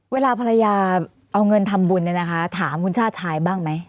เวลาภรรยาเอาเงินทำบุญเนี่ยนะคะถามคุณชาติชายบ้างไหม